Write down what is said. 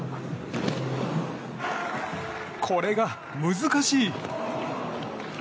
これが難しい。